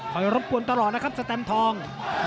ขอยรบปวนตลอดนะครับแสตม์ทอง